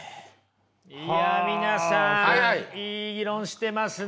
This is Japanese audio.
いや皆さんいい議論してますね。